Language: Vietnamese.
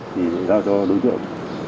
thì giao cho đối tượng